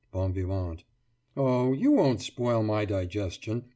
BON VIVANT: Oh, you won't spoil my digestion.